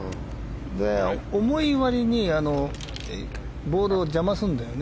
重い割にボールを邪魔するんだよね。